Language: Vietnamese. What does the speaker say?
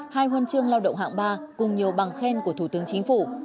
hai huân chương lao động hạng ba cùng nhiều bằng khen của thủ tướng chính phủ